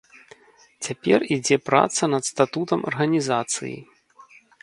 Цяпер ідзе праца над статутам арганізацыі.